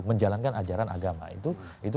menjalankan ajaran agama itu